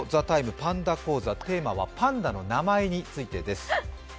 パンダ講座テーマは、パンダの名前についてです。